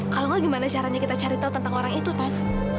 kalau enggak gimana caranya kita cari tahu tentang orang itu kan